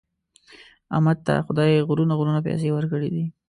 احمد ته خدای غرونه غرونه پیسې ورکړي دي.